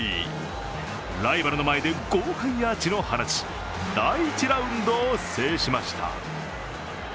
ライバルの前で豪快アーチを放ち第１ラウンドを制しました。